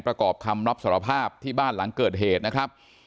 ประกอบคำรับสารภาพที่บ้านหลังเกิดเหตุนะครับ